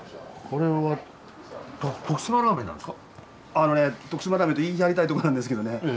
あのね徳島ラーメンと言い張りたいとこなんですけどね